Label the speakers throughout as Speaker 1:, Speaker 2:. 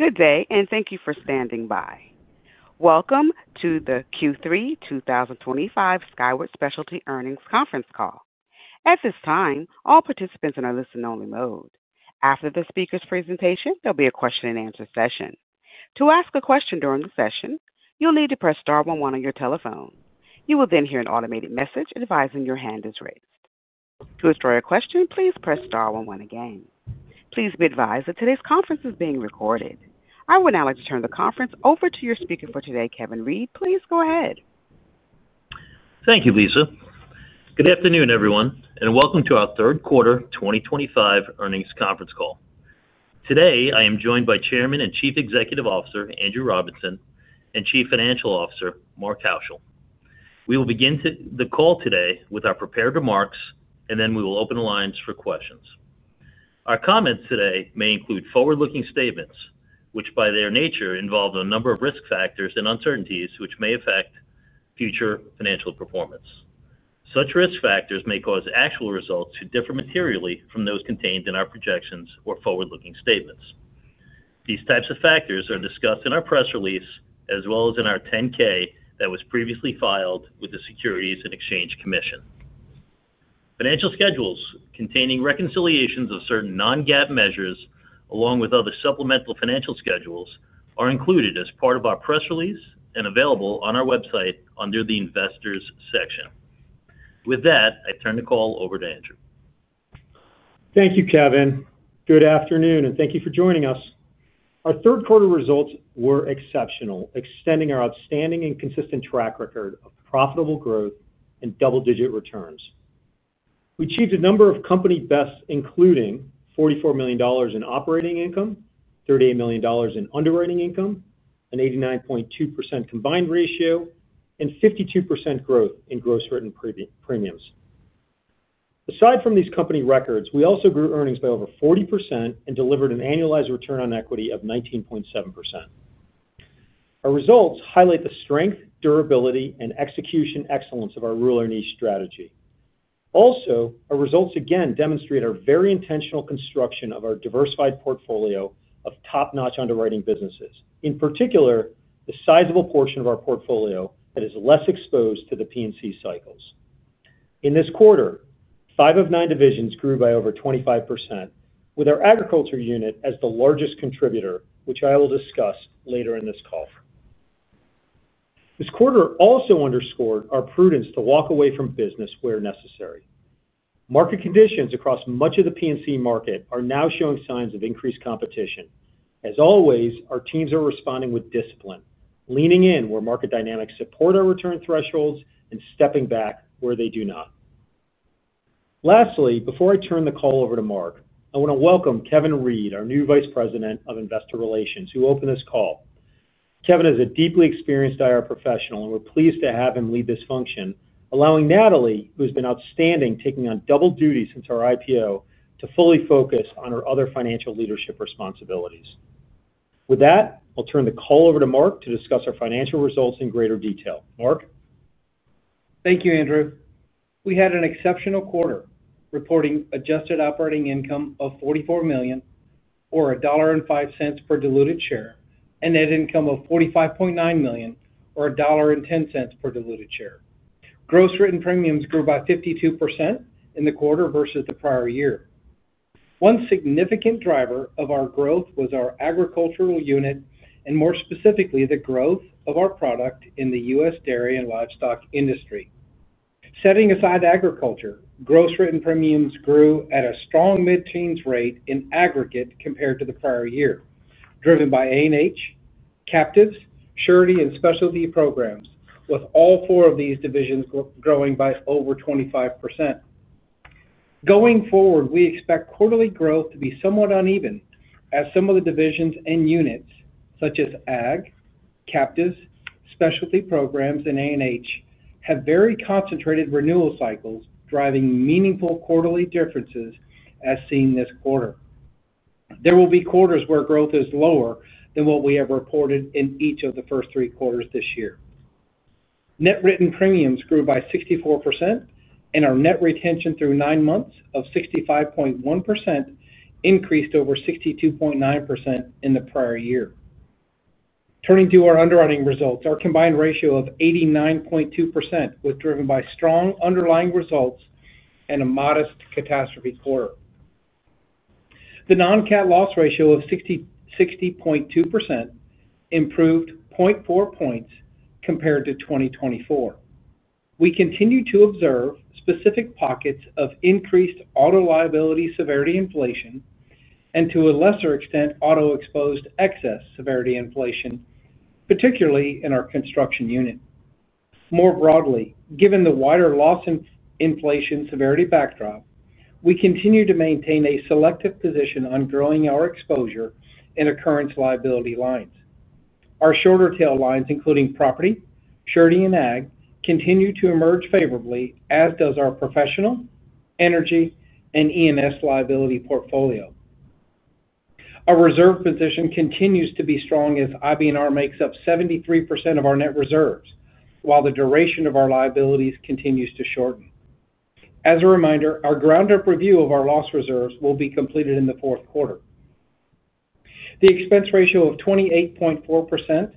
Speaker 1: Good day, and thank you for standing by. Welcome to the Q3 2025 Skyward Specialty Earnings Conference call. At this time, all participants are in a listen-only mode. After the speaker's presentation, there will be a question-and-answer session. To ask a question during the session, you'll need to press star one one on your telephone. You will then hear an automated message advising your hand is raised. To withdraw your question, please press star one one again. Please be advised that today's conference is being recorded. I would now like to turn the conference over to your speaker for today, Kevin Reed. Please go ahead.
Speaker 2: Thank you, Lisa. Good afternoon, everyone, and welcome to our third quarter 2025 earnings conference call. Today, I am joined by Chairman and Chief Executive Officer Andrew Robinson and Chief Financial Officer Mark Haushill. We will begin the call today with our prepared remarks, and then we will open the lines for questions. Our comments today may include forward-looking statements, which by their nature involve a number of risk factors and uncertainties which may affect future financial performance. Such risk factors may cause actual results to differ materially from those contained in our projections or forward-looking statements. These types of factors are discussed in our press release, as well as in our 10-K that was previously filed with the Securities and Exchange Commission. Financial schedules containing reconciliations of certain non-GAAP measures, along with other supplemental financial schedules, are included as part of our press release and available on our website under the Investors section. With that, I turn the call over to Andrew.
Speaker 3: Thank you, Kevin. Good afternoon, and thank you for joining us. Our third quarter results were exceptional, extending our outstanding and consistent track record of profitable growth and double-digit returns. We achieved a number of company bests, including $44 million in operating income, $38 million in underwriting income, an 89.2% combined ratio, and 52% growth in gross written premiums. Aside from these company records, we also grew earnings by over 40% and delivered an annualized return on equity of 19.7%. Our results highlight the strength, durability, and execution excellence of our Rule Earnings Strategy. Also, our results again demonstrate our very intentional construction of our diversified portfolio of top-notch underwriting businesses, in particular, the sizable portion of our portfolio that is less exposed to the P&C cycles. In this quarter, five of nine divisions grew by over 25%, with our agriculture unit as the largest contributor, which I will discuss later in this call. This quarter also underscored our prudence to walk away from business where necessary. Market conditions across much of the P&C market are now showing signs of increased competition. As always, our teams are responding with discipline, leaning in where market dynamics support our return thresholds and stepping back where they do not. Lastly, before I turn the call over to Mark, I want to welcome Kevin Reed, our new Vice President of Investor Relations, who opened this call. Kevin is a deeply experienced IR professional, and we're pleased to have him lead this function, allowing Natalie, who has been outstanding taking on double duties since our IPO, to fully focus on her other financial leadership responsibilities. With that, I'll turn the call over to Mark to discuss our financial results in greater detail. Mark.
Speaker 4: Thank you, Andrew. We had an exceptional quarter, reporting adjusted operating income of $44 million, or $1.05 per diluted share, and net income of $45.9 million, or $1.10 per diluted share. Gross written premiums grew by 52% in the quarter versus the prior year. One significant driver of our growth was our agricultural unit, and more specifically, the growth of our product in the U.S. dairy and livestock industry. Setting aside agriculture, gross written premiums grew at a strong mid-teens rate in aggregate compared to the prior year, driven by A&H, Captives, Surety, and Specialty Programs, with all four of these divisions growing by over 25%. Going forward, we expect quarterly growth to be somewhat uneven, as some of the divisions and units, such as AG, Captives, Specialty Programs, and A&H, have very concentrated renewal cycles, driving meaningful quarterly differences, as seen this quarter. There will be quarters where growth is lower than what we have reported in each of the first three quarters this year. Net written premiums grew by 64%, and our net retention through nine months of 65.1% increased over 62.9% in the prior year. Turning to our underwriting results, our combined ratio of 89.2% was driven by strong underlying results and a modest catastrophe quarter. The non-cat loss ratio of 60.2% improved 0.4 points compared to 2024. We continue to observe specific pockets of increased auto liability severity inflation and, to a lesser extent, auto exposed excess severity inflation, particularly in our construction unit. More broadly, given the wider loss in inflation severity backdrop, we continue to maintain a selective position on growing our exposure in occurrence liability lines. Our shorter tail lines, including Property, Surety, and AG, continue to emerge favorably, as does our professional energy and ENS liability portfolio. Our reserve position continues to be strong as IBNR makes up 73% of our net reserves, while the duration of our liabilities continues to shorten. As a reminder, our ground-up review of our loss reserves will be completed in the fourth quarter. The expense ratio of 28.4%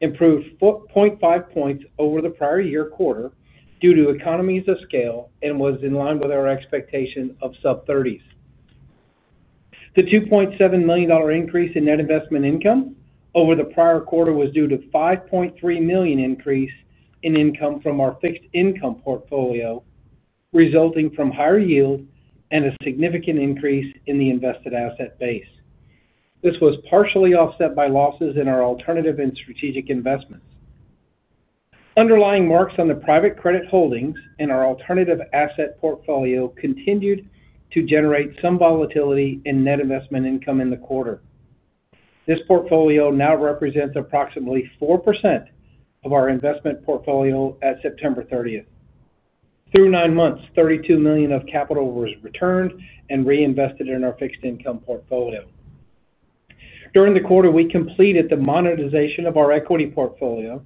Speaker 4: improved 0.5 points over the prior year quarter due to economies of scale and was in line with our expectation of sub-thirties. The $2.7 million increase in net investment income over the prior quarter was due to a $5.3 million increase in income from our fixed income portfolio, resulting from higher yield and a significant increase in the invested asset base. This was partially offset by losses in our alternative and strategic investments. Underlying marks on the private credit holdings in our alternative asset portfolio continued to generate some volatility in net investment income in the quarter. This portfolio now represents approximately 4% of our investment portfolio at September 30. Through nine months, $32 million of capital was returned and reinvested in our fixed income portfolio. During the quarter, we completed the monetization of our equity portfolio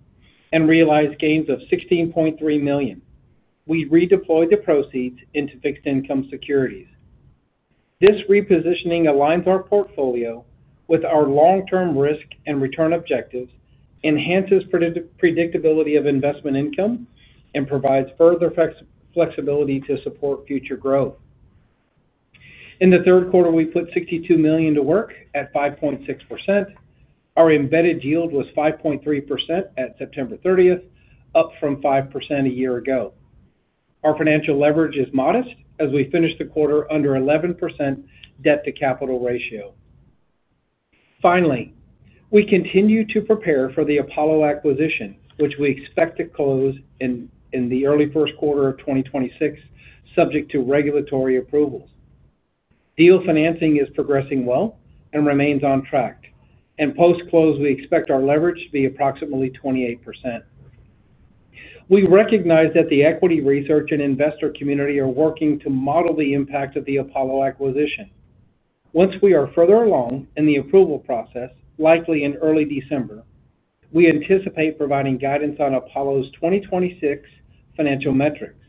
Speaker 4: and realized gains of $16.3 million. We redeployed the proceeds into fixed income securities. This repositioning aligns our portfolio with our long-term risk and return objectives, enhances predictability of investment income, and provides further flexibility to support future growth. In the third quarter, we put $62 million to work at 5.6%. Our embedded yield was 5.3% at September 30th, up from 5% a year ago. Our financial leverage is modest as we finish the quarter under an 11% debt-to-capital ratio. Finally, we continue to prepare for the Apollo acquisition, which we expect to close in the early first quarter of 2026, subject to regulatory approvals. Deal financing is progressing well and remains on track. Post-close, we expect our leverage to be approximately 28%. We recognize that the equity research and investor community are working to model the impact of the Apollo acquisition. Once we are further along in the approval process, likely in early December, we anticipate providing guidance on Apollo's 2026 financial metrics.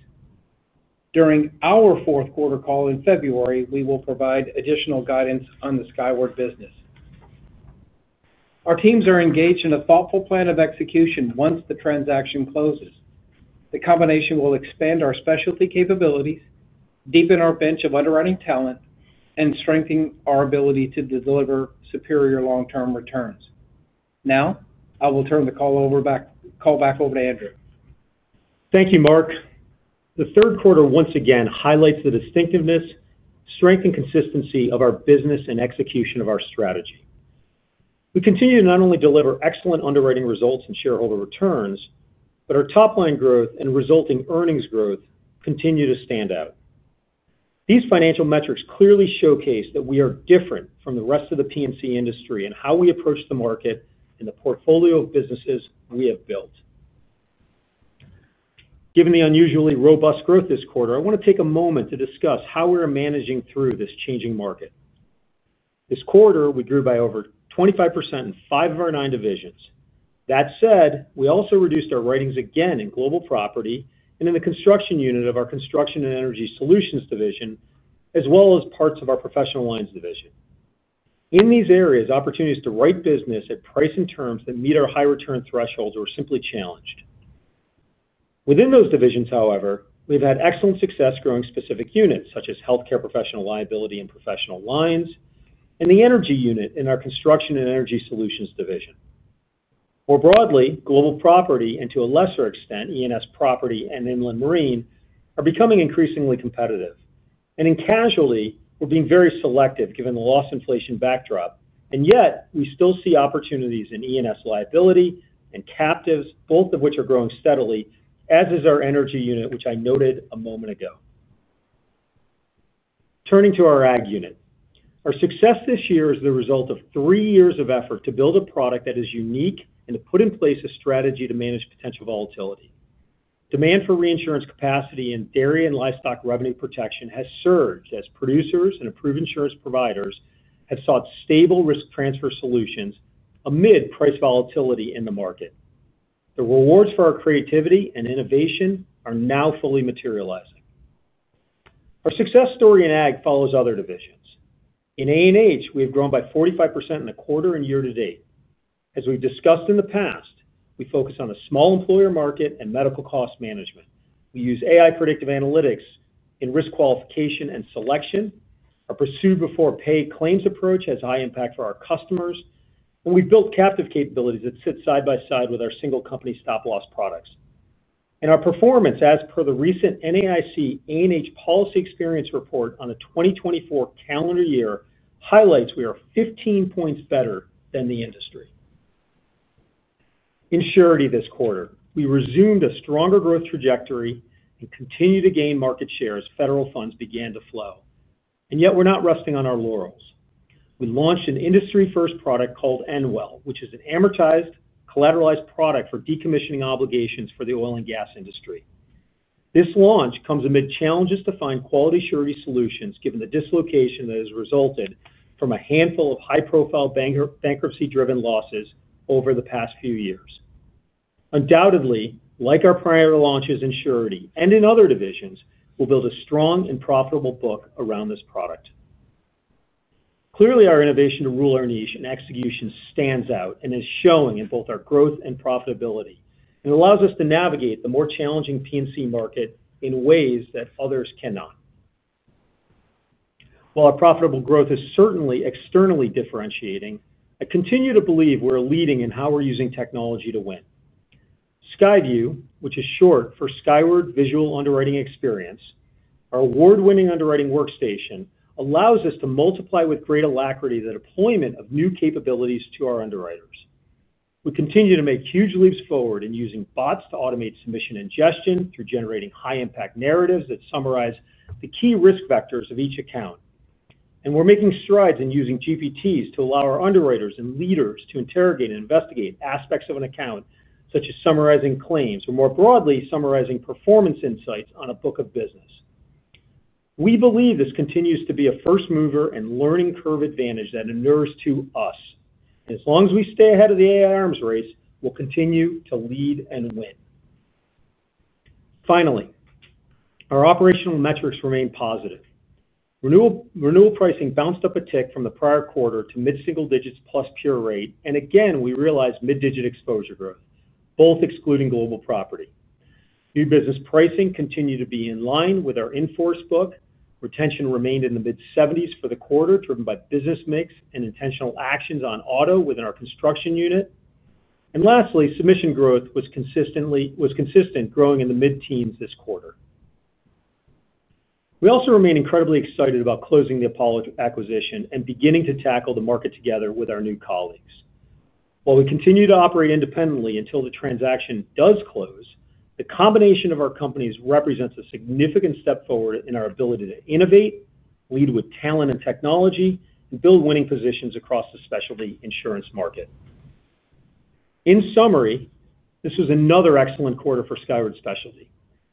Speaker 4: During our fourth quarter call in February, we will provide additional guidance on the Skyward business. Our teams are engaged in a thoughtful plan of execution once the transaction closes. The combination will expand our specialty capabilities, deepen our bench of underwriting talent, and strengthen our ability to deliver superior long-term returns. Now, I will turn the call back over to Andrew.
Speaker 3: Thank you, Mark. The third quarter, once again, highlights the distinctiveness, strength, and consistency of our business and execution of our strategy. We continue to not only deliver excellent underwriting results and shareholder returns, but our top-line growth and resulting earnings growth continue to stand out. These financial metrics clearly showcase that we are different from the rest of the P&C industry in how we approach the market and the portfolio of businesses we have built. Given the unusually robust growth this quarter, I want to take a moment to discuss how we are managing through this changing market. This quarter, we grew by over 25% in five of our nine divisions. That said, we also reduced our writings again in global property and in the construction unit of our Construction and Energy Solutions division, as well as parts of our Professional Lines division. In these areas, opportunities to write business at price and terms that meet our high return thresholds were simply challenged. Within those divisions, however, we've had excellent success growing specific units, such as Healthcare Professional Liability and Professional Lines and the Energy unit in our Construction and Energy Solutions division. More broadly, global property and, to a lesser extent, E&S property and Inland Marine are becoming increasingly competitive. In casualty, we're being very selective given the loss inflation backdrop, and yet we still see opportunities in E&S liability and captives, both of which are growing steadily, as is our Energy unit, which I noted a moment ago. Turning to our AG unit, our success this year is the result of three years of effort to build a product that is unique and to put in place a strategy to manage potential volatility. Demand for reinsurance capacity in dairy and livestock revenue protection has surged as producers and approved insurance providers have sought stable risk transfer solutions amid price volatility in the market. The rewards for our creativity and innovation are now fully materializing. Our success story in AG follows other divisions. In A&H, we have grown by 45% in a quarter and year to date. As we've discussed in the past, we focus on the small employer market and medical cost management. We use AI-driven analytics in risk qualification and selection. Our pursuit before pay claims approach has high impact for our customers, and we've built captive capabilities that sit side by side with our single company stop-loss products. Our performance, as per the recent NAIC A&H policy experience report on the 2024 calendar year, highlights we are 15 points better than the industry. In Surety this quarter, we resumed a stronger growth trajectory and continue to gain market share as federal funds began to flow. We're not resting on our laurels. We launched an industry-first product called EndWell, which is an amortized collateralized product for decommissioning obligations for the oil and gas industry. This launch comes amid challenges to find quality surety solutions given the dislocation that has resulted from a handful of high-profile bankruptcy-driven losses over the past few years. Undoubtedly, like our prior launches in Surety and in other divisions, we'll build a strong and profitable book around this product. Clearly, our innovation to rule earnings and execution stands out and is showing in both our growth and profitability and allows us to navigate the more challenging P&C market in ways that others cannot. While our profitable growth is certainly externally differentiating, I continue to believe we're leading in how we're using technology to win. SkyView, which is short for Skyward Visual Underwriting Experience, our award-winning underwriting workstation, allows us to multiply with great alacrity the deployment of new capabilities to our underwriters. We continue to make huge leaps forward in using bots to automate submission ingestion through generating high-impact narratives that summarize the key risk vectors of each account. We're making strides in using GPTs to allow our underwriters and leaders to interrogate and investigate aspects of an account, such as summarizing claims or more broadly summarizing performance insights on a book of business. We believe this continues to be a first-mover and learning curve advantage that inures to us. As long as we stay ahead of the AI arms race, we'll continue to lead and win. Finally, our operational metrics remain positive. Renewal pricing bounced up a tick from the prior quarter to mid-single digits plus pure rate, and again, we realized mid-digit exposure growth, both excluding global property. New business pricing continued to be in line with our inforced book. Retention remained in the mid-70% for the quarter, driven by business mix and intentional actions on auto within our construction unit. Lastly, submission growth was consistent, growing in the mid-teens this quarter. We also remain incredibly excited about closing the Apollo acquisition and beginning to tackle the market together with our new colleagues. While we continue to operate independently until the transaction does close, the combination of our companies represents a significant step forward in our ability to innovate, lead with talent and technology, and build winning positions across the specialty insurance market. In summary, this was another excellent quarter for Skyward Specialty.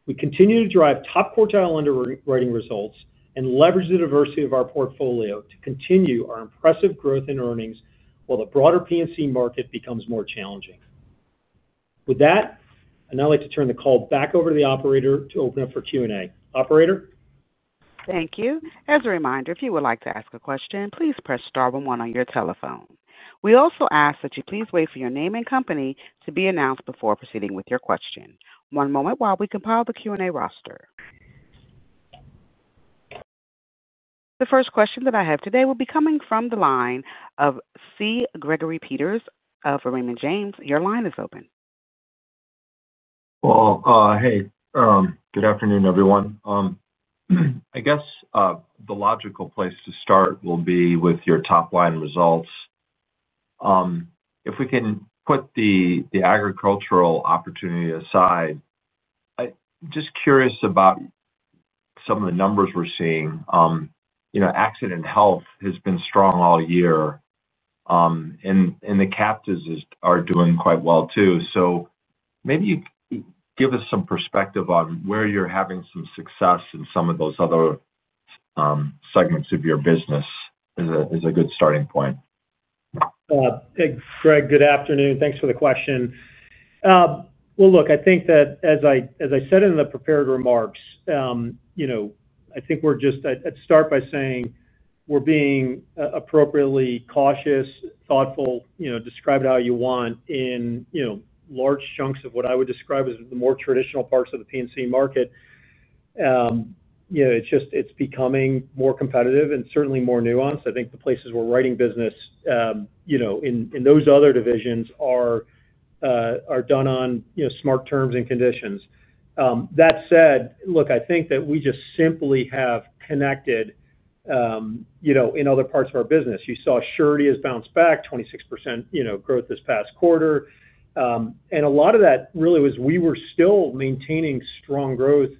Speaker 3: We continue to drive top quartile underwriting results and leverage the diversity of our portfolio to continue our impressive growth in earnings while the broader P&C market becomes more challenging. With that, I'd now like to turn the call back over to the operator to open up for Q&A. Operator?
Speaker 1: Thank you. As a reminder, if you would like to ask a question, please press star one on your telephone. We also ask that you please wait for your name and company to be announced before proceeding with your question. One moment while we compile the Q&A roster. The first question that I have today will be coming from the line of C. Gregory Peters of Raymond James. Your line is open.
Speaker 5: Good afternoon, everyone. I guess the logical place to start will be with your top-line results. If we can put the agricultural opportunity aside, I'm just curious about some of the numbers we're seeing. You know, accident and health has been strong all year, and the captives are doing quite well too. Maybe you give us some perspective on where you're having some success in some of those other segments of your business as a good starting point.
Speaker 3: Hey, Greg, good afternoon. Thanks for the question. As I said in the prepared remarks, I think we're just, I'd start by saying we're being appropriately cautious, thoughtful, describe it how you want, in large chunks of what I would describe as the more traditional parts of the P&C market. It's just becoming more competitive and certainly more nuanced. I think the places we're writing business in those other divisions are done on smart terms and conditions. That said, I think that we just simply have connected in other parts of our business. You saw Surety has bounced back 26% growth this past quarter. A lot of that really was we were still maintaining strong growth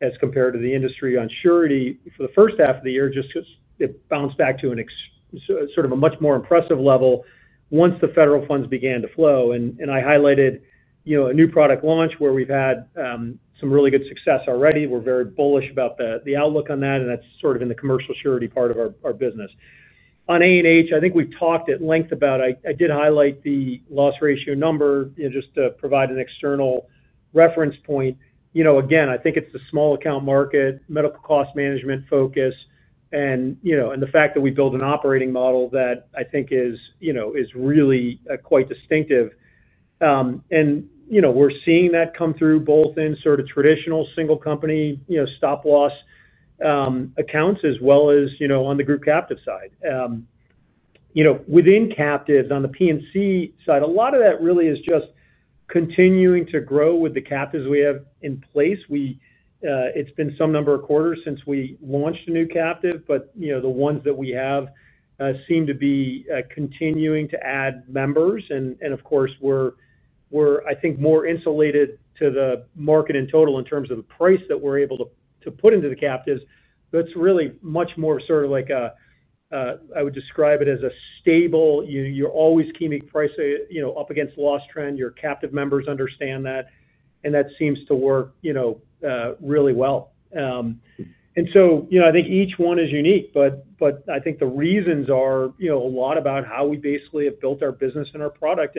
Speaker 3: as compared to the industry on Surety for the first half of the year, just because it bounced back to a much more impressive level once the federal funds began to flow. I highlighted a new product launch where we've had some really good success already. We're very bullish about the outlook on that, and that's in the commercial surety part of our business. On A&H, I think we've talked at length about, I did highlight the loss ratio number just to provide an external reference point. Again, I think it's the small account market, medical cost management focus, and the fact that we build an operating model that I think is really quite distinctive. We're seeing that come through both in traditional single company stop-loss accounts as well as on the group captive side. Within Captives on the P&C side, a lot of that really is just continuing to grow with the captives we have in place. It's been some number of quarters since we launched a new captive, but the ones that we have seem to be continuing to add members. Of course, I think we're more insulated to the market in total in terms of the price that we're able to put into the captives. That's really much more like a stable. You're always keeping pricing up against loss trend. Your captive members understand that, and that seems to work really well. I think each one is unique, but I think the reasons are a lot about how we basically have built our business and our product.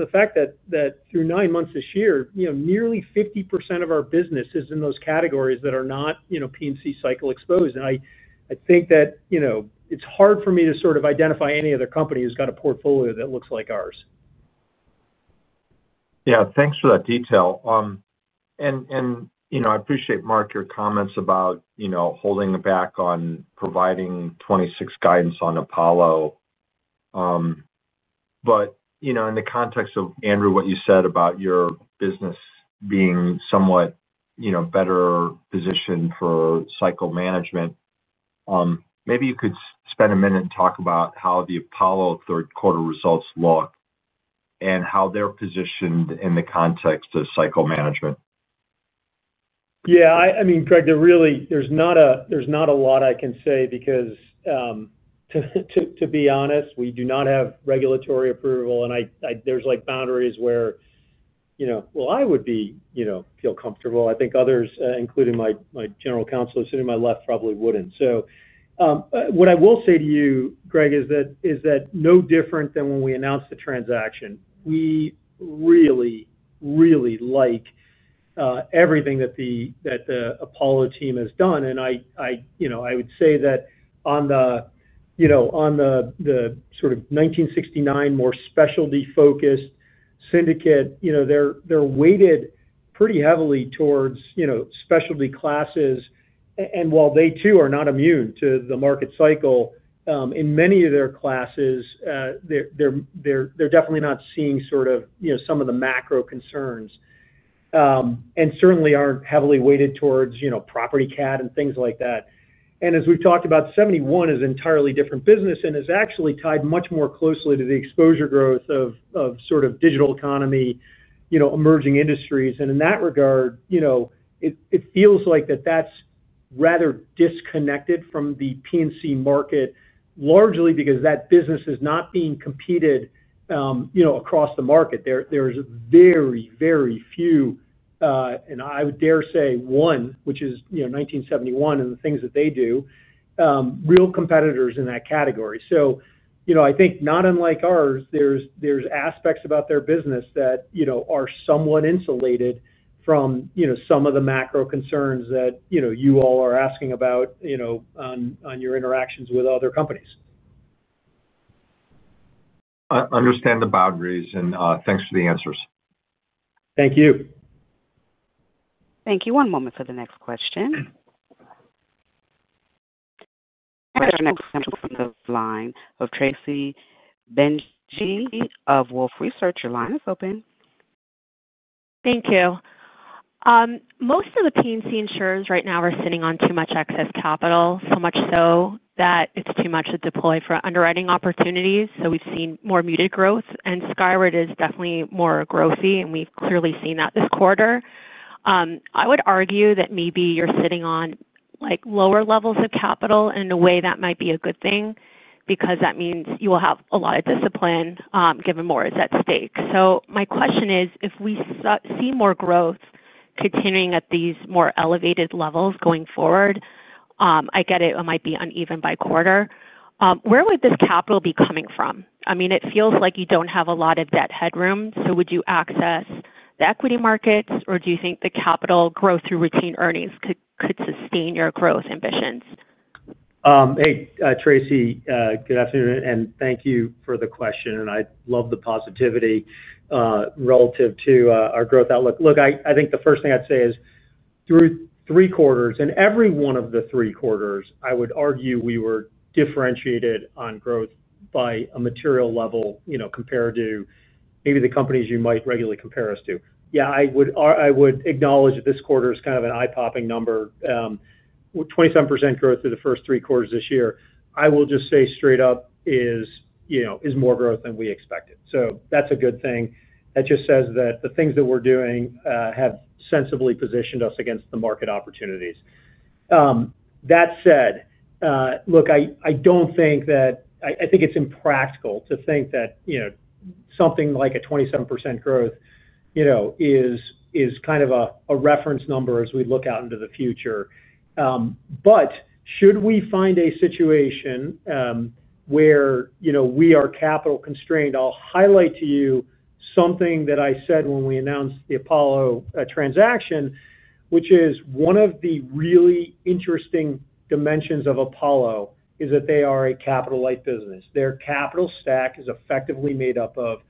Speaker 3: The fact that through nine months this year, nearly 50% of our business is in those categories that are not P&C cycle exposed makes it hard for me to sort of identify any other company who's got a portfolio that looks like ours.
Speaker 5: Yeah, thanks for that detail. I appreciate, Mark, your comments about holding back on providing 2026 guidance on Apollo. In the context of Andrew, what you said about your business being somewhat better positioned for cycle management, maybe you could spend a minute and talk about how the Apollo third quarter results look and how they're positioned in the context of cycle management.
Speaker 3: Yeah, I mean, Greg, there really is not a lot I can say because, to be honest, we do not have regulatory approval, and there are boundaries where I would be comfortable. I think others, including my General Counsel sitting to my left, probably wouldn't. What I will say to you, Greg, is that no different than when we announced the transaction, we really, really like everything that the Apollo team has done. I would say that on the sort of 1969, more specialty-focused syndicate, they're weighted pretty heavily towards specialty classes. While they too are not immune to the market cycle, in many of their classes, they're definitely not seeing some of the macro concerns and certainly aren't heavily weighted towards property CAT and things like that. As we've talked about, 1971 is an entirely different business and is actually tied much more closely to the exposure growth of digital economy, emerging industries. In that regard, it feels like that's rather disconnected from the P&C market, largely because that business is not being competed across the market. There are very, very few, and I would dare say one, which is 1971 and the things that they do, real competitors in that category. I think not unlike ours, there are aspects about their business that are somewhat insulated from some of the macro concerns that you all are asking about in your interactions with other companies.
Speaker 5: I understand the boundaries, and thanks for the answers.
Speaker 3: Thank you.
Speaker 1: Thank you. One moment for the next question. Next question comes from the line of Tracy Benguigui of Wolfe Research. Your line is open.
Speaker 6: Thank you. Most of the P&C insurers right now are sitting on too much excess capital, so much so that it's too much to deploy for underwriting opportunities. We've seen more muted growth, and Skyward is definitely more growthy, and we've clearly seen that this quarter. I would argue that maybe you're sitting on lower levels of capital, and in a way, that might be a good thing because that means you will have a lot of discipline given more is at stake. My question is, if we see more growth continuing at these more elevated levels going forward, I get it, it might be uneven by quarter. Where would this capital be coming from? I mean, it feels like you don't have a lot of debt headroom. Would you access the equity markets, or do you think the capital growth through routine earnings could sustain your growth ambitions?
Speaker 3: Hey, Tracy, good afternoon, and thank you for the question, and I love the positivity relative to our growth outlook. I think the first thing I'd say is through three quarters, and every one of the three quarters, I would argue we were differentiated on growth by a material level, compared to maybe the companies you might regularly compare us to. I would acknowledge that this quarter is kind of an eye-popping number. 27% growth through the first three quarters this year. I will just say straight up is, you know, more growth than we expected. That's a good thing. That just says that the things that we're doing have sensibly positioned us against the market opportunities. That said, I don't think that I think it's impractical to think that, you know, something like a 27% growth is kind of a reference number as we look out into the future. Should we find a situation where we are capital constrained, I'll highlight to you something that I said when we announced the Apollo transaction, which is one of the really interesting dimensions of Apollo is that they are a capital-light business. Their capital stack is effectively made up of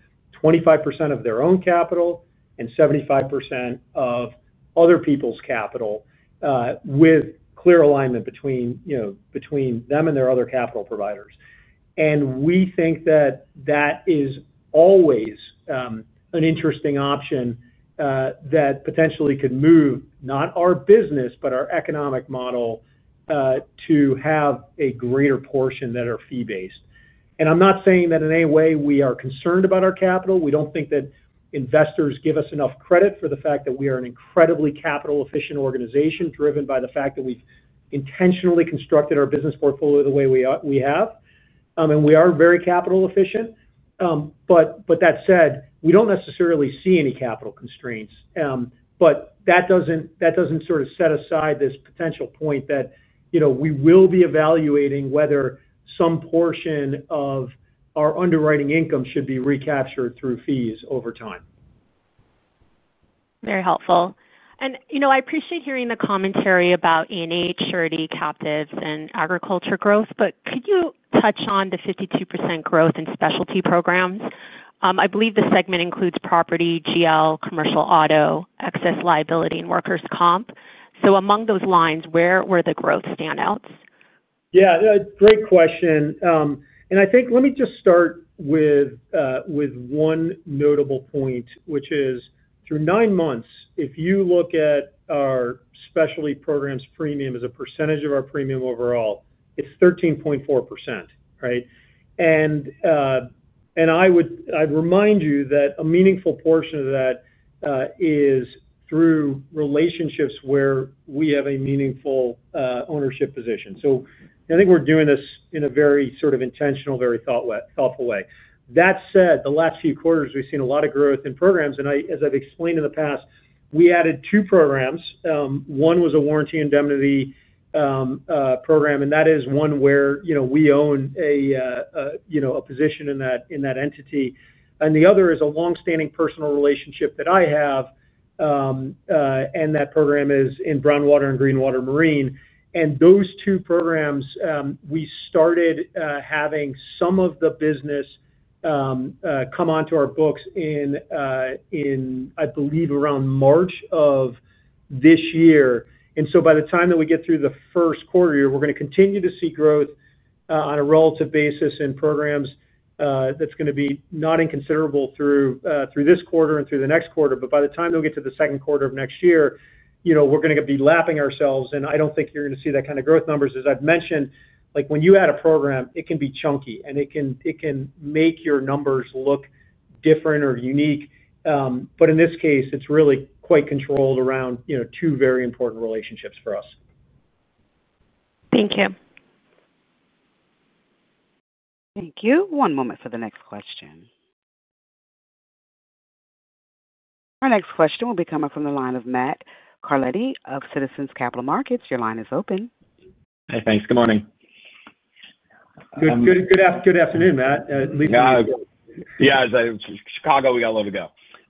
Speaker 3: 25% of their own capital and 75% of other people's capital with clear alignment between them and their other capital providers. We think that that is always an interesting option that potentially could move not our business, but our economic model to have a greater portion that are fee-based. I'm not saying that in any way we are concerned about our capital. We don't think that investors give us enough credit for the fact that we are an incredibly capital-efficient organization, driven by the fact that we've intentionally constructed our business portfolio the way we have. We are very capital-efficient. That said, we don't necessarily see any capital constraints. That doesn't sort of set aside this potential point that we will be evaluating whether some portion of our underwriting income should be recaptured through fees over time.
Speaker 6: Very helpful. I appreciate hearing the commentary about A&H, Surety, Captives, and Agriculture Growth. Could you touch on the 52% growth in Specialty Programs? I believe the segment includes property, GL, commercial auto, excess liability, and workers' comp. Among those lines, where were the growth standouts?
Speaker 3: Great question. Let me just start with one notable point, which is through nine months, if you look at our Specialty Programs' premium as a percentage of our premium overall, it's 13.4%. I would remind you that a meaningful portion of that is through relationships where we have a meaningful ownership position. I think we're doing this in a very intentional, very thoughtful way. That said, the last few quarters, we've seen a lot of growth in programs. As I've explained in the past, we added two programs. One was a warranty indemnity program, and that is one where we own a position in that entity. The other is a longstanding personal relationship that I have, and that program is in Brownwater and Greenwater Marine. Those two programs, we started having some of the business come onto our books in, I believe, around March of this year. By the time that we get through the first quarter, we're going to continue to see growth on a relative basis in programs that's going to be not inconsiderable through this quarter and through the next quarter. By the time they'll get to the second quarter of next year, we're going to be lapping ourselves. I don't think you're going to see that kind of growth numbers. As I've mentioned, when you add a program, it can be chunky, and it can make your numbers look different or unique. In this case, it's really quite controlled around two very important relationships for us.
Speaker 6: Thank you.
Speaker 1: Thank you. One moment for the next question. Our next question will be coming from the line of Matt Carletti of Citizens Capital Markets. Your line is open.
Speaker 7: Hey, thanks. Good morning.
Speaker 3: Good afternoon, Matt.
Speaker 7: Yeah, Chicago, we got a little to go.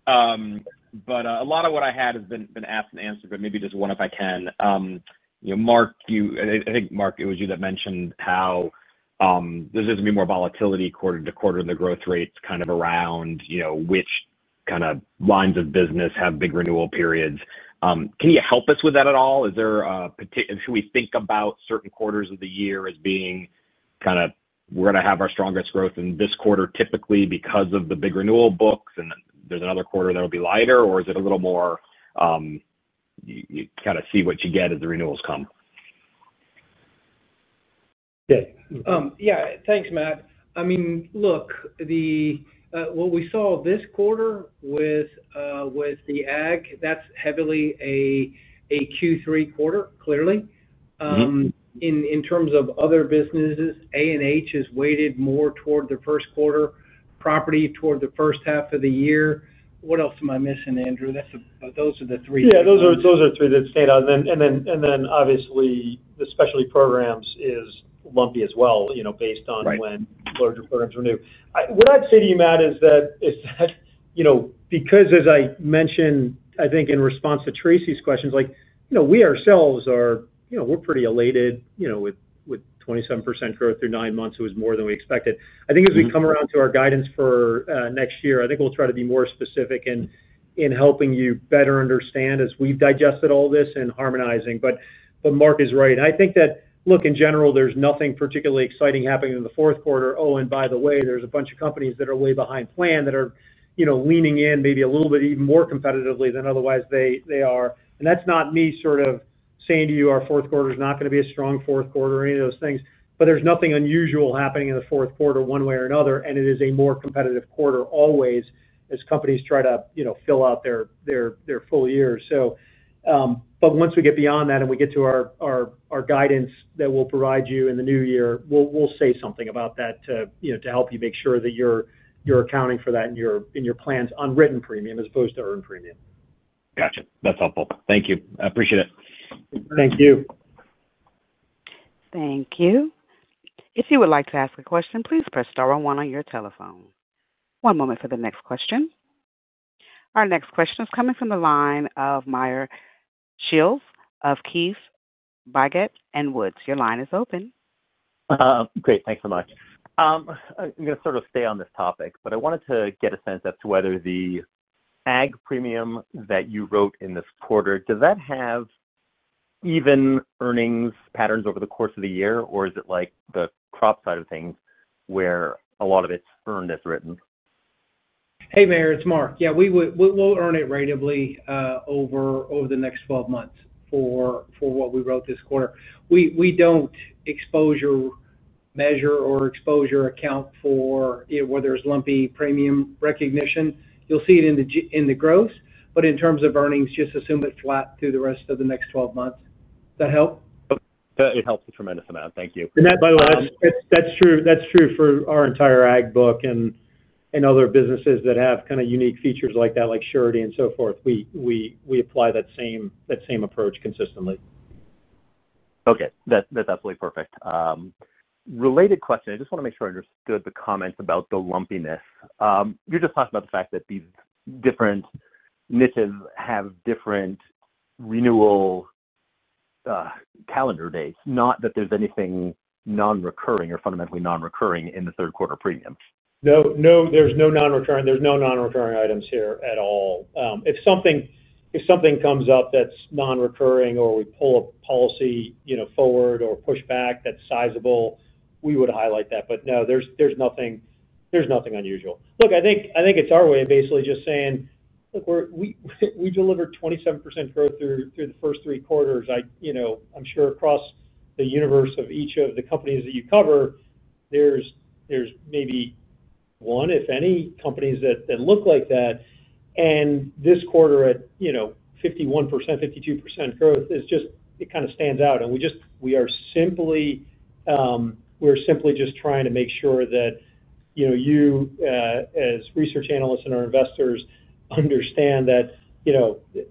Speaker 7: A lot of what I had has been asked and answered, but maybe just one if I can. You know, Mark, I think it was you that mentioned how there's going to be more volatility quarter to quarter in the growth rates, kind of around which lines of business have big renewal periods. Can you help us with that at all? Is there a particular, should we think about certain quarters of the year as being kind of, we're going to have our strongest growth in this quarter typically because of the big renewal books, and then there's another quarter that'll be lighter, or is it a little more you kind of see what you get as the renewals come?
Speaker 4: Yeah, thanks, Matt. I mean, look, what we saw this quarter with the AG, that's heavily a Q3 quarter, clearly. In terms of other businesses, A&H is weighted more toward the first quarter, property toward the first half of the year. What else am I missing, Andrew? Those are the three things.
Speaker 3: Yeah, those are three that stayed on. Obviously, the Specialty Programs is lumpy as well, you know, based on when larger programs renew. What I'd say to you, Matt, is that, you know, because as I mentioned, I think in response to Tracy's questions, like, you know, we ourselves are, you know, we're pretty elated, you know, with 27% growth through nine months. It was more than we expected. I think as we come around to our guidance for next year, I think we'll try to be more specific in helping you better understand as we've digested all this and harmonizing. Mark is right. I think that, look, in general, there's nothing particularly exciting happening in the fourth quarter. Oh, and by the way, there's a bunch of companies that are way behind plan that are, you know, leaning in maybe a little bit even more competitively than otherwise they are. That's not me sort of saying to you our fourth quarter is not going to be a strong fourth quarter or any of those things, but there's nothing unusual happening in the fourth quarter one way or another, and it is a more competitive quarter always as companies try to, you know, fill out their full years. Once we get beyond that and we get to our guidance that we'll provide you in the new year, we'll say something about that to, you know, to help you make sure that you're accounting for that in your plans on written premium as opposed to earned premium.
Speaker 7: Gotcha. That's helpful. Thank you. I appreciate it.
Speaker 3: Thank you.
Speaker 1: Thank you. If you would like to ask a question, please press star one on your telephone. One moment for the next question. Our next question is coming from the line of Meyer Shields of Keefe, Bruyette & Woods. Your line is open.
Speaker 8: Great, thanks so much. I'm going to sort of stay on this topic, but I wanted to get a sense as to whether the AG premium that you wrote in this quarter, does that have even earnings patterns over the course of the year, or is it like the crop side of things where a lot of it's earned as written?
Speaker 4: Hey, Meyer, it's Mark. Yeah, we will earn it randomly over the next 12 months for what we wrote this quarter. We don't exposure measure or exposure account for where there's lumpy premium recognition. You'll see it in the growth, but in terms of earnings, just assume it's flat through the rest of the next 12 months. Does that help?
Speaker 8: It helps a tremendous amount. Thank you.
Speaker 3: That's true for our entire AG book and other businesses that have kind of unique features like that, like Surety and so forth. We apply that same approach consistently.
Speaker 8: Okay, that's absolutely perfect. Related question, I just want to make sure I understood the comments about the lumpiness. You're just talking about the fact that these different niches have different renewal calendar dates, not that there's anything non-recurring or fundamentally non-recurring in the third quarter premium.
Speaker 3: No, there's no non-recurring. There's no non-recurring items here at all. If something comes up that's non-recurring or we pull a policy forward or push back that's sizable, we would highlight that. There's nothing unusual. I think it's our way of basically just saying, look, we delivered 27% growth through the first three quarters. I'm sure across the universe of each of the companies that you cover, there's maybe one, if any, companies that look like that. This quarter at 51%, 52% growth is just, it kind of stands out. We are simply just trying to make sure that you as research analysts and our investors understand that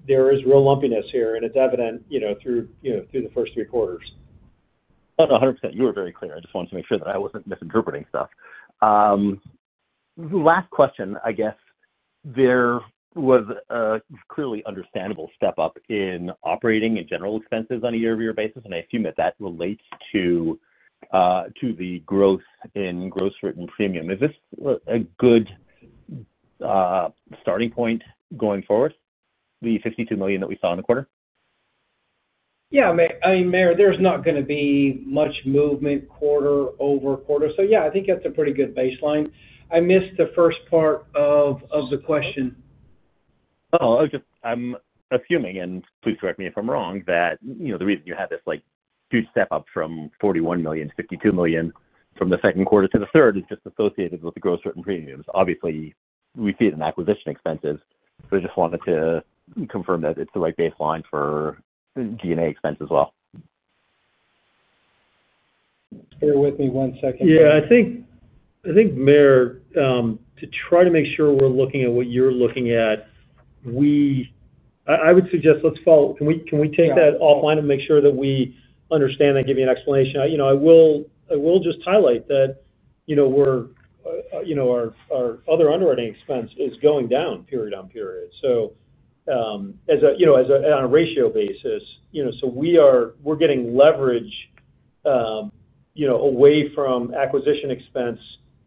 Speaker 3: there is real lumpiness here and it's evident through the first three quarters.
Speaker 8: Oh, no, 100%. You were very clear. I just wanted to make sure that I wasn't misinterpreting stuff. The last question, I guess, there was a clearly understandable step up in operating and general expenses on a year-over-year basis, and I assume that that relates to the growth in gross written premium. Is this a good starting point going forward, the $52 million that we saw in the quarter?
Speaker 4: Yeah, I mean, Meyer, there's not going to be much movement quarter over quarter. I think that's a pretty good baseline. I missed the first part of the question.
Speaker 8: I'm assuming, and please correct me if I'm wrong, that the reason you had this huge step up from $41 million to $52 million from the second quarter to the third is just associated with the gross written premiums. Obviously, we see it in acquisition expenses, but I just wanted to confirm that it's the right baseline for the DNA expense as well.
Speaker 4: Bear with me one second.
Speaker 3: I think, Meyer, to try to make sure we're looking at what you're looking at, I would suggest let's follow up. Can we take that offline and make sure that we understand that, give you an explanation? I will just highlight that our other underwriting expense is going down period on period. On a ratio basis, we are getting leverage away from acquisition expense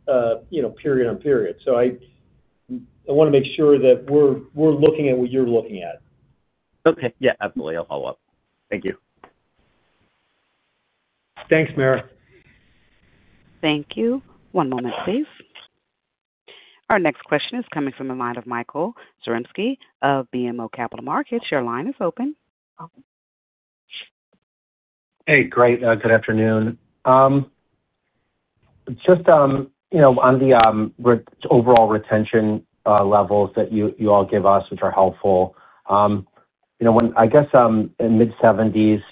Speaker 3: period on period. I want to make sure that we're looking at what you're looking at.
Speaker 8: Okay, yeah, absolutely. I'll follow up. Thank you.
Speaker 3: Thanks, Meyer.
Speaker 1: Thank you. One moment, please. Our next question is coming from the line of Michael Zaremski of BMO Capital Markets. Your line is open.
Speaker 9: Hey, great. Good afternoon. On the overall retention levels that you all give us, which are helpful, when I guess in mid-70s,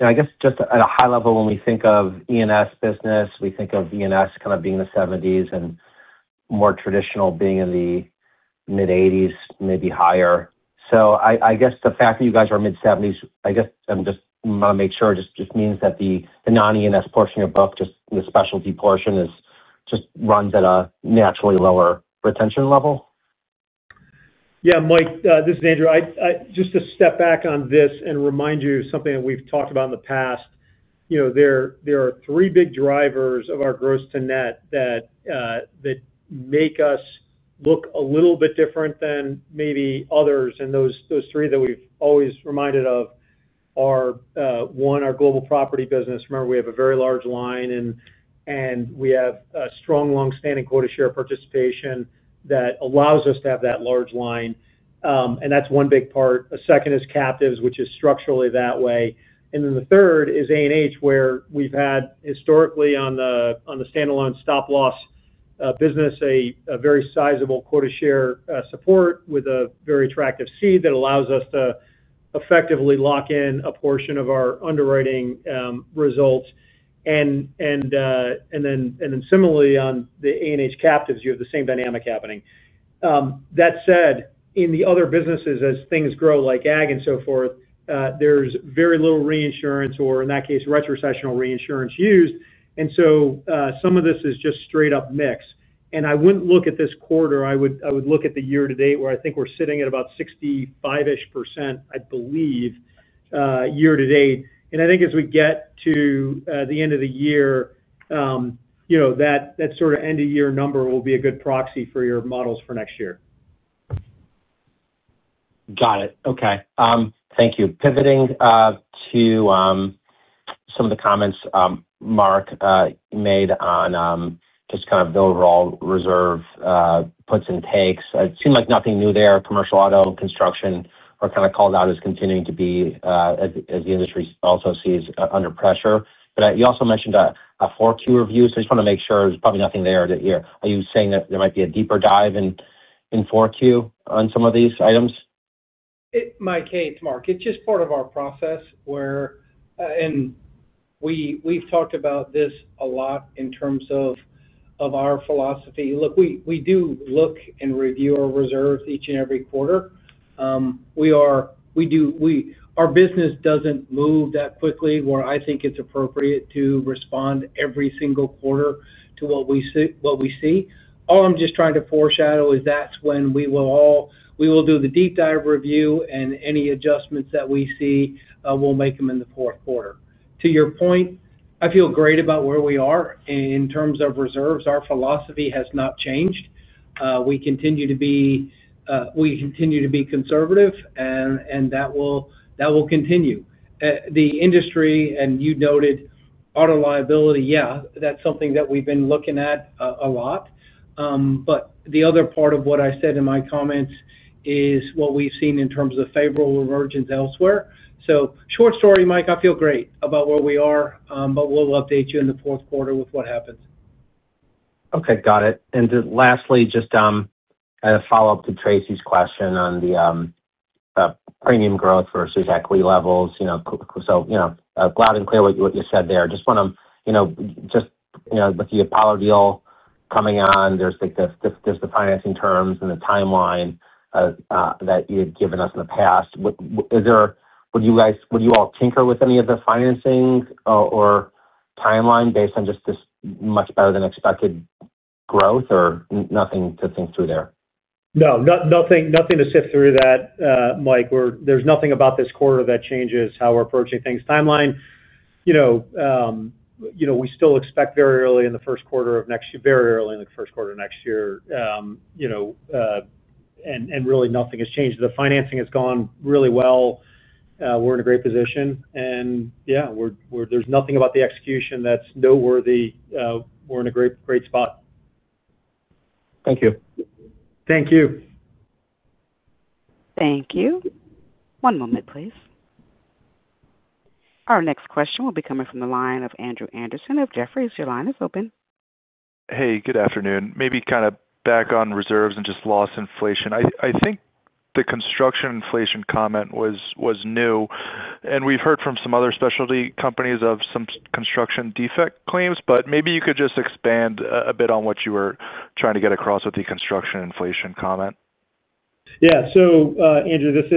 Speaker 9: I guess just at a high level, when we think of E&S business, we think of E&S kind of being in the 70s and more traditional being in the mid-80s, maybe higher. I guess the fact that you guys are mid-70s, I just want to make sure, just means that the non-E&S portion of your book, just the specialty portion, runs at a naturally lower retention level?
Speaker 3: Yeah, Mike, this is Andrew. Just to step back on this and remind you of something that we've talked about in the past, you know, there are three big drivers of our gross to net that make us look a little bit different than maybe others. Those three that we've always reminded of are, one, our global property business. Remember, we have a very large line, and we have a strong long-standing quota share participation that allows us to have that large line. That's one big part. A second is Captives, which is structurally that way. The third is A&H, where we've had historically on the standalone stop-loss business a very sizable quota share support with a very attractive cede that allows us to effectively lock in a portion of our underwriting results. Similarly, on the A&H captives, you have the same dynamic happening. That said, in the other businesses, as things grow like AG and so forth, there's very little reinsurance or, in that case, retrocessional reinsurance used. Some of this is just straight-up mix. I wouldn't look at this quarter. I would look at the year-to-date where I think we're sitting at about 65% year-to-date. I think as we get to the end of the year, that sort of end-of-year number will be a good proxy for your models for next year.
Speaker 9: Got it. Okay. Thank you. Pivoting to some of the comments Mark made on just kind of the overall reserve puts and takes, it seemed like nothing new there. Commercial auto and construction are kind of called out as continuing to be, as the industry also sees, under pressure. You also mentioned a 4Q review. I just want to make sure there's probably nothing there. Are you saying that there might be a deeper dive in 4Q on some of these items?
Speaker 4: In my case, Mark, it's just part of our process where, and we've talked about this a lot in terms of our philosophy. Look, we do look and review our reserves each and every quarter. We do. Our business doesn't move that quickly where I think it's appropriate to respond every single quarter to what we see. All I'm just trying to foreshadow is that's when we will all, we will do the deep dive review and any adjustments that we see, we'll make them in the fourth quarter. To your point, I feel great about where we are in terms of reserves. Our philosophy has not changed. We continue to be conservative, and that will continue. The industry, and you noted, auto liability, yeah, that's something that we've been looking at a lot. The other part of what I said in my comments is what we've seen in terms of favorable reversions elsewhere. Short story, Mike, I feel great about where we are, but we'll update you in the fourth quarter with what happens.
Speaker 9: Okay, got it. Lastly, just kind of follow up to Tracy's question on the premium growth versus equity levels. You know, loud and clear what you said there. I just want to, with the Apollo deal coming on, there's the financing terms and the timeline that you had given us in the past. Would you all tinker with any of the financing or timeline based on just this much better than expected growth or nothing to think through there?
Speaker 3: No, nothing to sift through that, Mike. There's nothing about this quarter that changes how we're approaching things. Timeline, you know, we still expect very early in the first quarter of next year, very early in the first quarter of next year, and really nothing has changed. The financing has gone really well. We're in a great position. There's nothing about the execution that's noteworthy. We're in a great, great spot.
Speaker 9: Thank you.
Speaker 3: Thank you.
Speaker 1: Thank you. One moment, please. Our next question will be coming from the line of Andrew Anderson of Jefferies. Your line is open.
Speaker 10: Hey, good afternoon. Maybe kind of back on reserves and just loss inflation. I think the construction inflation comment was new, and we've heard from some other specialty companies of some construction defect claims. Maybe you could just expand a bit on what you were trying to get across with the construction inflation comment.
Speaker 3: Yeah. Andrew, this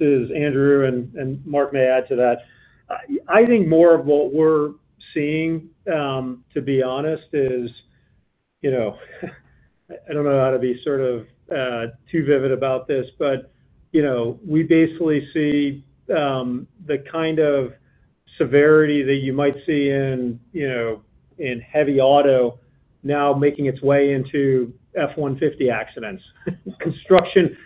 Speaker 3: is Andrew, and Mark may add to that. I think more of what we're seeing, to be honest, is, I don't know how to be sort of too vivid about this, but we basically see the kind of severity that you might see in heavy auto now making its way into F-150 accidents. Construction,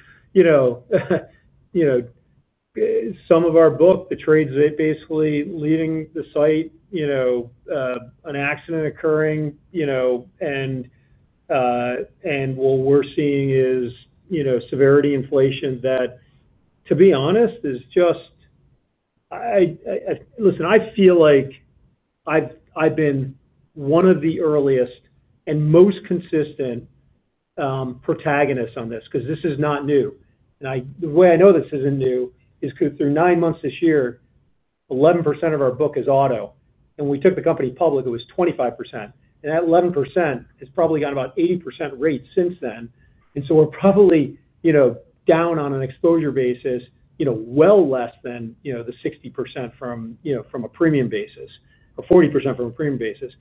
Speaker 3: some of our book, the trades that basically leaving the site, an accident occurring, and what we're seeing is severity inflation that, to be honest, is just, listen, I feel like I've been one of the earliest and most consistent protagonists on this because this is not new. The way I know this isn't new is because through nine months this year, 11% of our book is auto. When we took the company public, it was 25%. That 11% has probably gotten about 80% rate since then. We're probably down on an exposure basis, well less than the 60% from a premium basis or 40% from a premium basis.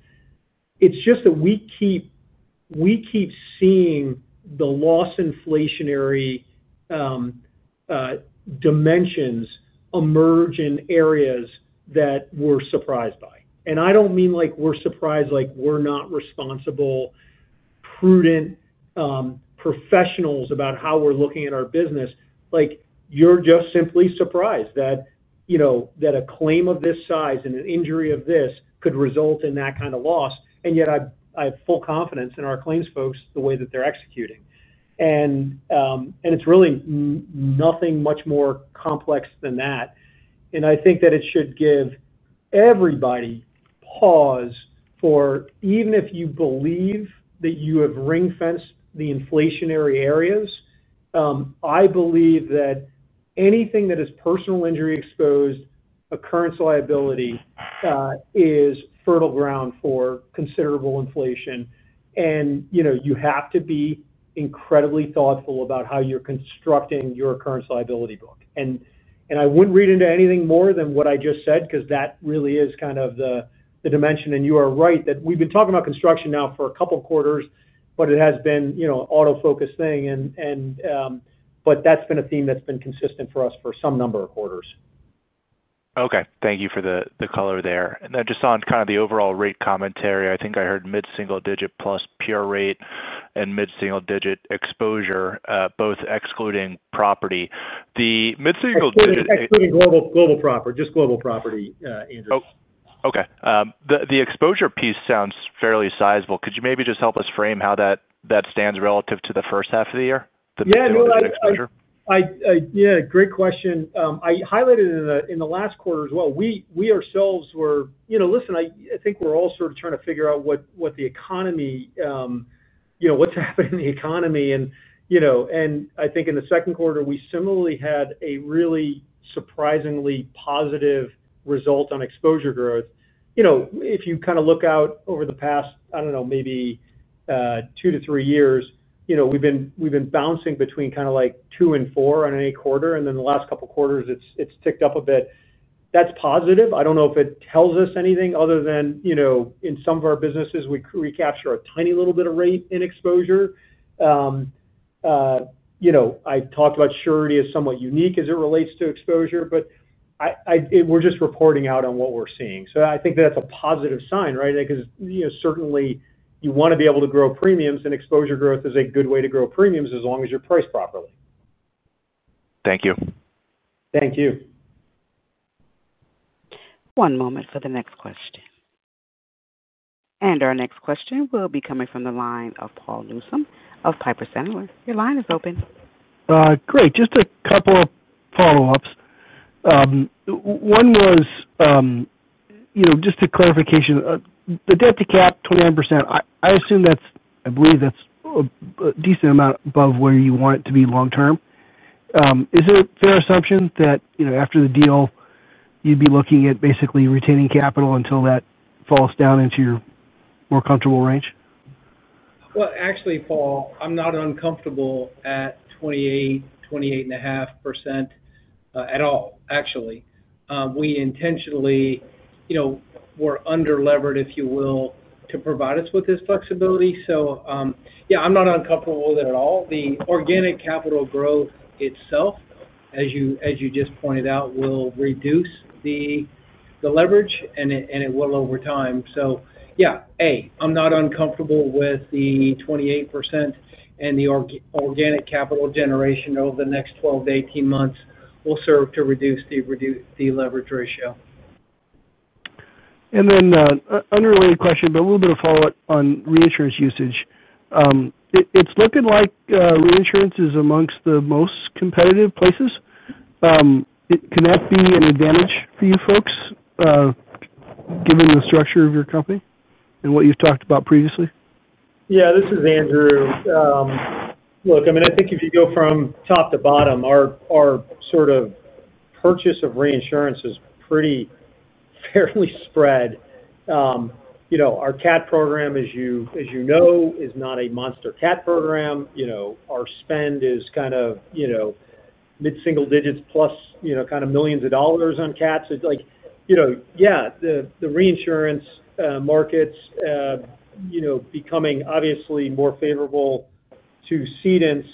Speaker 3: We keep seeing the loss inflationary dimensions emerge in areas that we're surprised by. I don't mean like we're surprised, like we're not responsible, prudent professionals about how we're looking at our business. You're just simply surprised that a claim of this size and an injury of this could result in that kind of loss. I have full confidence in our claims folks the way that they're executing. It's really nothing much more complex than that. I think that it should give everybody a pause for even if you believe that you have ring-fenced the inflationary areas, I believe that anything that is personal injury exposed, occurrence liability is fertile ground for considerable inflation. You have to be incredibly thoughtful about how you're constructing your occurrence liability book. I wouldn't read into anything more than what I just said because that really is kind of the dimension. You are right that we've been talking about construction now for a couple of quarters, but it has been an auto-focused thing. That's been a theme that's been consistent for us for some number of quarters.
Speaker 10: Okay. Thank you for the color there. Just on kind of the overall rate commentary, I think I heard mid-single digit plus pure rate and mid-single digit exposure, both excluding property. The mid-single digit.
Speaker 3: Excluding global property, just global property, Andrew.
Speaker 10: Okay. The exposure piece sounds fairly sizable. Could you maybe just help us frame how that stands relative to the first half of the year?
Speaker 3: Yeah, great question. I highlighted in the last quarter as well. We ourselves were, you know, I think we're all sort of trying to figure out what the economy, you know, what's happening in the economy. I think in the second quarter, we similarly had a really surprisingly positive result on exposure growth. If you kind of look out over the past, I don't know, maybe two to three years, we've been bouncing between kind of like 2% and 4% on any quarter. In the last couple of quarters, it's ticked up a bit. That's positive. I don't know if it tells us anything other than, you know, in some of our businesses, we recapture a tiny little bit of rate in exposure. I talked about surety is somewhat unique as it relates to exposure, but we're just reporting out on what we're seeing. I think that's a positive sign, right? Certainly you want to be able to grow premiums, and exposure growth is a good way to grow premiums as long as you're priced properly.
Speaker 10: Thank you.
Speaker 3: Thank you.
Speaker 1: One moment for the next question. Our next question will be coming from the line of Paul Newsome of Piper Sandler. Your line is open.
Speaker 11: Great. Just a couple of follow-ups. One was, you know, just a clarification. The debt-to-cap 29%, I assume that's, I believe that's a decent amount above where you want it to be long-term. Is it a fair assumption that, you know, after the deal, you'd be looking at basically retaining capital until that falls down into your more comfortable range?
Speaker 4: Actually, Paul, I'm not uncomfortable at 28%, 28.5% at all, actually. We intentionally, you know, were under-levered, if you will, to provide us with this flexibility. Yeah, I'm not uncomfortable with it at all. The organic capital growth itself, though, as you just pointed out, will reduce the leverage, and it will over time. Yeah, A, I'm not uncomfortable with the 28% and the organic capital generation over the next 12 to 18 months will serve to reduce the leverage ratio.
Speaker 11: An unrelated question, but a little bit of follow-up on reinsurance usage. It's looking like reinsurance is amongst the most competitive places. Can that be an advantage for you folks, given the structure of your company and what you've talked about previously?
Speaker 3: Yeah, this is Andrew. Look, I mean, I think if you go from top to bottom, our sort of purchase of reinsurance is pretty fairly spread. You know, our CAT program, as you know, is not a monster CAT program. You know, our spend is kind of, you know, mid-single digits plus, you know, kind of millions of dollars on CATs. Like, you know, yeah, the reinsurance markets, you know, becoming obviously more favorable to cedents.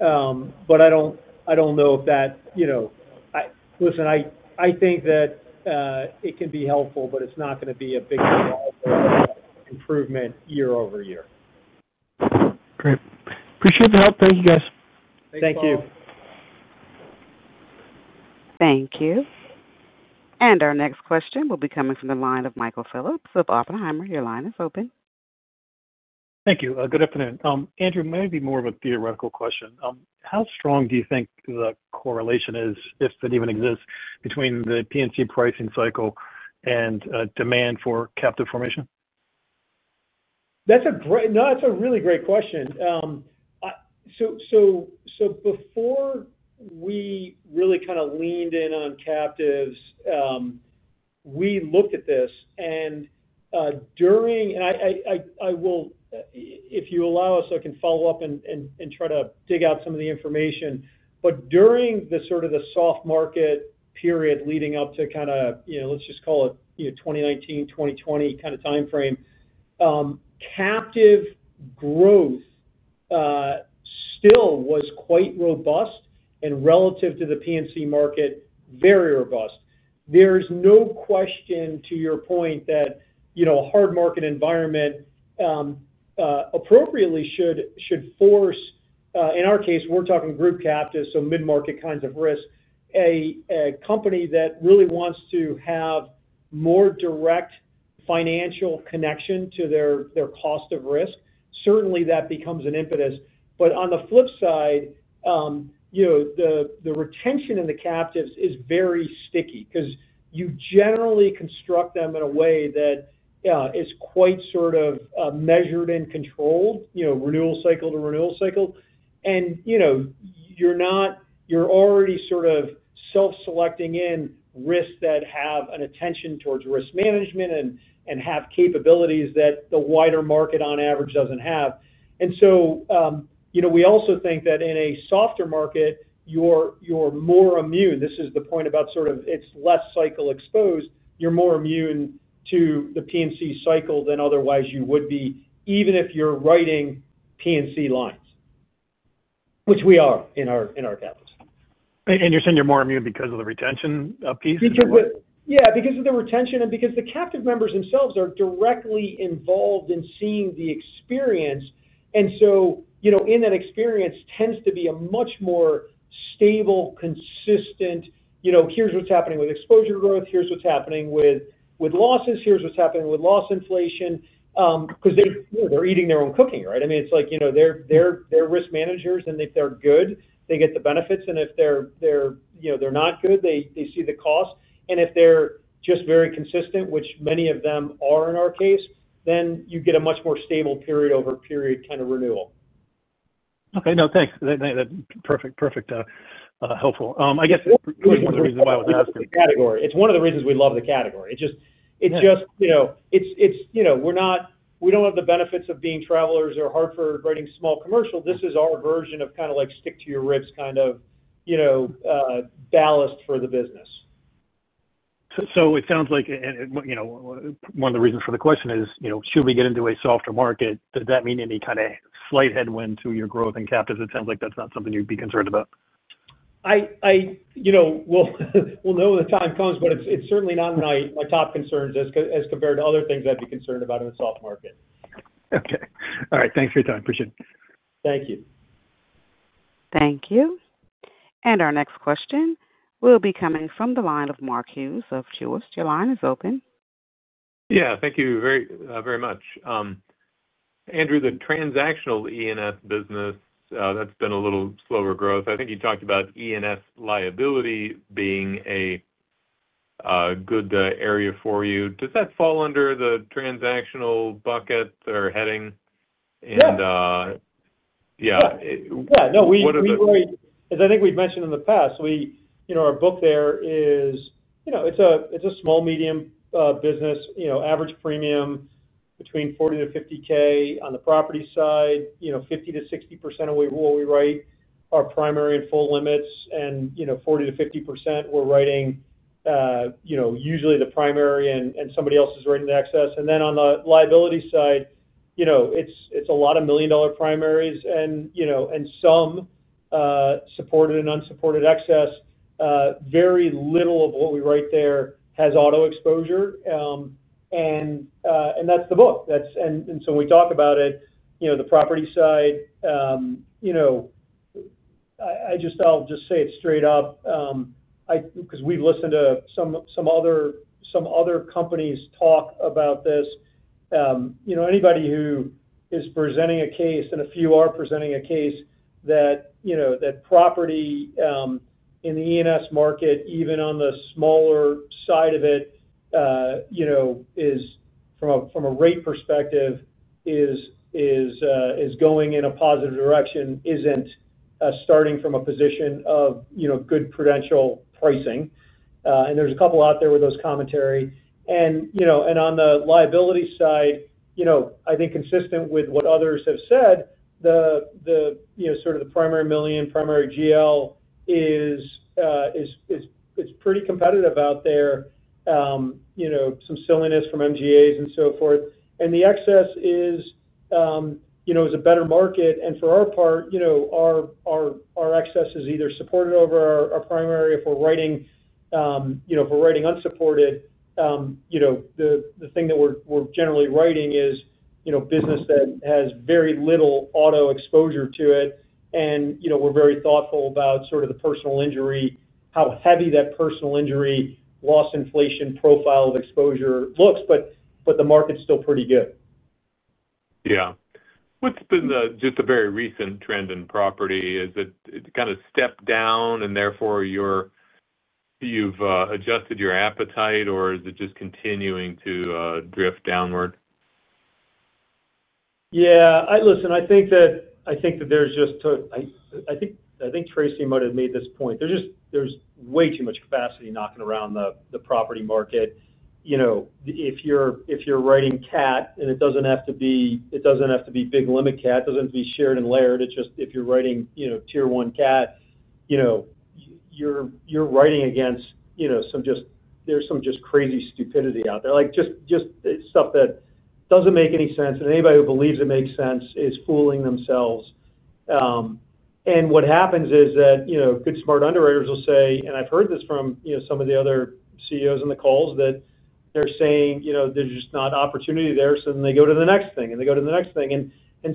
Speaker 3: I don't know if that, you know, I think that it can be helpful, but it's not going to be a big improvement year-over-year.
Speaker 11: Great. Appreciate the help. Thank you, guys.
Speaker 3: Thank you.
Speaker 1: Thank you. Our next question will be coming from the line of Michael Phillips of Oppenheimer. Your line is open.
Speaker 12: Thank you. Good afternoon. Andrew, maybe more of a theoretical question. How strong do you think the correlation is, if it even exists, between the P&C pricing cycle and demand for captive formation?
Speaker 3: That's a really great question. Before we really kind of leaned in on captives, we looked at this. If you allow us, I can follow up and try to dig out some of the information. During the sort of soft market period leading up to, let's just call it, 2019, 2020 kind of timeframe, captive growth still was quite robust and relative to the P&C market, very robust. There's no question to your point that a hard market environment appropriately should force, in our case, we're talking group captives, so mid-market kinds of risk, a company that really wants to have more direct financial connection to their cost of risk. Certainly, that becomes an impetus. On the flip side, the retention in the captives is very sticky because you generally construct them in a way that is quite sort of measured and controlled, renewal cycle to renewal cycle. You're already sort of self-selecting in risks that have an attention towards risk management and have capabilities that the wider market on average doesn't have. We also think that in a softer market, you're more immune. This is the point about sort of it's less cycle exposed. You're more immune to the P&C cycle than otherwise you would be, even if you're writing P&C lines, which we are in our captives.
Speaker 12: You're saying you're more immune because of the retention piece?
Speaker 3: Yeah, because of the retention and because the captive members themselves are directly involved in seeing the experience. In that experience, it tends to be a much more stable, consistent, you know, here's what's happening with exposure growth, here's what's happening with losses, here's what's happening with loss inflation, because they're eating their own cooking, right? I mean, it's like, you know, they're risk managers, and if they're good, they get the benefits. If they're not good, they see the cost. If they're just very consistent, which many of them are in our case, then you get a much more stable period over period kind of renewal.
Speaker 12: Okay, no, thanks. That's perfect, helpful, I guess.
Speaker 3: It's one of the reasons why we love the category. It's just, you know, we don't have the benefits of being Travelers or Hartford writing small commercial. This is our version of kind of like stick to your ribs kind of, you know, ballast for the business.
Speaker 12: It sounds like one of the reasons for the question is, should we get into a softer market? Does that mean any kind of slight headwind to your growth in captives? It sounds like that's not something you'd be concerned about.
Speaker 3: We'll know when the time comes, but it's certainly not my top concerns as compared to other things I'd be concerned about in the soft market.
Speaker 12: Okay. All right. Thanks for your time. Appreciate it.
Speaker 3: Thank you.
Speaker 1: Thank you. Our next question will be coming from the line of Mark Hughes of Truist. Your line is open.
Speaker 13: Thank you very, very much. Andrew, the transactional E&S business, that's been a little slower growth. I think you talked about E&S liability being a good area for you. Does that fall under the transactional bucket or heading?
Speaker 3: Yeah, no, we were, as I think we've mentioned in the past, our book there is a small medium business, average premium between $40,000-$50,000 on the property side, 50%-60% of what we write are primary and full limits, and 40%-50% we're writing, usually the primary and somebody else is writing the excess. On the liability side, it's a lot of million-dollar primaries and some supported and unsupported excess. Very little of what we write there has auto exposure. That's the book. When we talk about it, the property side, I'll just say it straight up because we've listened to some other companies talk about this. Anybody who is presenting a case, and a few are presenting a case, that property in the E&S market, even on the smaller side of it, from a rate perspective, is going in a positive direction, isn't starting from a position of good credential pricing. There's a couple out there with those commentary. On the liability side, I think consistent with what others have said, the primary million, primary GL is pretty competitive out there. There's some silliness from MGAs and so forth. The excess is a better market. For our part, our excess is either supported over our primary if we're writing unsupported. The thing that we're generally writing is business that has very little auto exposure to it. We're very thoughtful about the personal injury, how heavy that personal injury loss inflation profile of exposure looks, but the market's still pretty good.
Speaker 13: What's been just the very recent trend in property? Is it kind of stepped down and therefore you've adjusted your appetite, or is it just continuing to drift downward?
Speaker 3: Yeah, listen, I think that there's just, I think Tracy might have made this point. There's just way too much capacity knocking around the property market. If you're writing CAT, and it doesn't have to be big limit CAT, it doesn't have to be shared and layered. It's just if you're writing tier one CAT, you're writing against some, just some crazy stupidity out there, like just stuff that doesn't make any sense. Anybody who believes it makes sense is fooling themselves. What happens is that good smart underwriters will say, and I've heard this from some of the other CEOs in the calls, that they're saying there's just not opportunity there. They go to the next thing and they go to the next thing.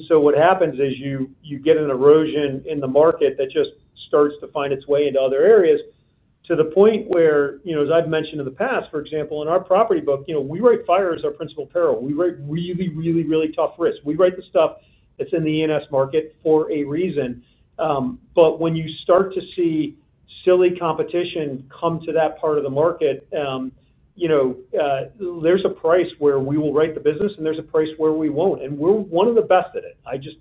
Speaker 3: What happens is you get an erosion in the market that just starts to find its way into other areas to the point where, as I've mentioned in the past, for example, in our property book, we write fire as our principal peril. We write really, really, really tough risks. We write the stuff that's in the ENS market for a reason. When you start to see silly competition come to that part of the market, there's a price where we will write the business and there's a price where we won't. We're one of the best at it.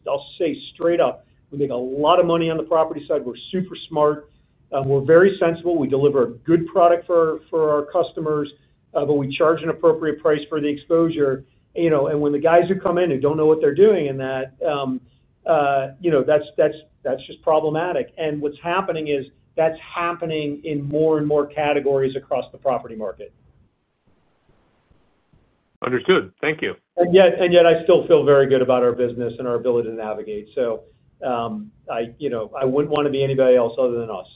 Speaker 3: I'll say straight up, we make a lot of money on the property side. We're super smart. We're very sensible. We deliver a good product for our customers, but we charge an appropriate price for the exposure. When the guys who come in who don't know what they're doing in that, that's just problematic. What's happening is that's happening in more and more categories across the property market.
Speaker 13: Understood. Thank you.
Speaker 3: I still feel very good about our business and our ability to navigate. I wouldn't want to be anybody else other than us.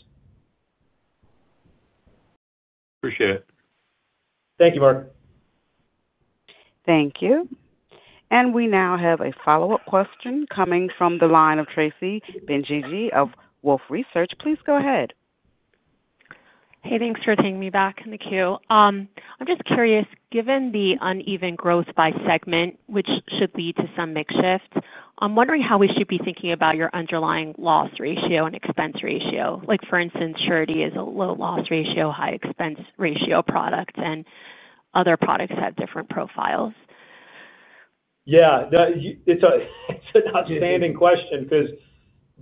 Speaker 13: Appreciate it.
Speaker 3: Thank you, Mark.
Speaker 1: Thank you. We now have a follow-up question coming from the line of Tracy Benguigui of Wolfe Research. Please go ahead.
Speaker 6: Hey, thanks for taking me back on the queue. I'm just curious, given the uneven growth by segment, which should lead to some mix shifts, I'm wondering how we should be thinking about your underlying loss ratio and expense ratio. Like, for instance, Surety is a low loss ratio, high expense ratio product, and other products have different profiles.
Speaker 3: Yeah, it's an outstanding question because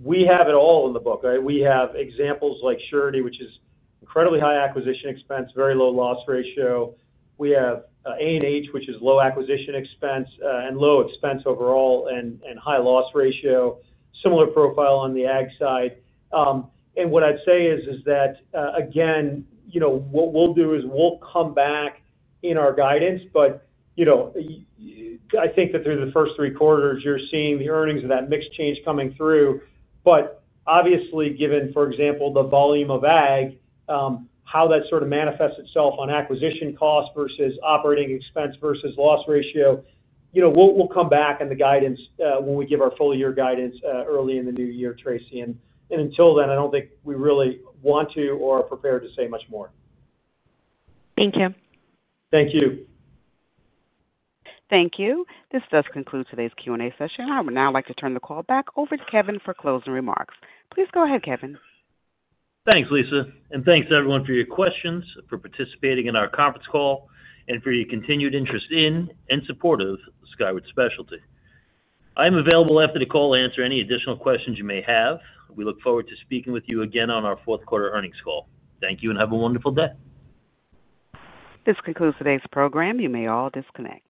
Speaker 3: we have it all in the book, right? We have examples like Surety, which is incredibly high acquisition expense, very low loss ratio. We have A&H, which is low acquisition expense and low expense overall and high loss ratio, similar profile on the AG side. What I'd say is that, again, what we'll do is we'll come back in our guidance. I think that through the first three quarters, you're seeing the earnings of that mixed change coming through. Obviously, given, for example, the volume of AG, how that sort of manifests itself on acquisition cost versus operating expense versus loss ratio, we'll come back in the guidance when we give our full year guidance early in the new year, Tracy. Until then, I don't think we really want to or are prepared to say much more.
Speaker 6: Thank you.
Speaker 3: Thank you.
Speaker 1: Thank you. This does conclude today's Q&A session. I would now like to turn the call back over to Kevin for closing remarks. Please go ahead, Kevin.
Speaker 2: Thanks, Lisa. Thanks to everyone for your questions, for participating in our conference call, and for your continued interest in and support of Skyward Specialty. I'm available after the call to answer any additional questions you may have. We look forward to speaking with you again on our fourth quarter earnings call. Thank you and have a wonderful day.
Speaker 1: This concludes today's program. You may all disconnect.